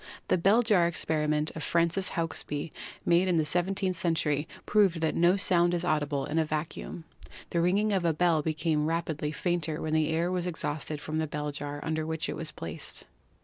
The bell jar experiment of Francis Hauksbee, made in the seventeenth century, proved that no sound is audible in a vacuum. The ringing of a bell became rapidly fainter when the air was exhausted from the bell jar under which it was placed.